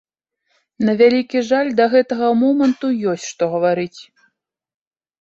На вялікі жаль, да гэтага моманту ёсць, што гаварыць.